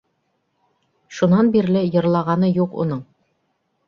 Шунан бирле йырлағаны юҡ уның.